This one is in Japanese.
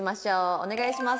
お願いします。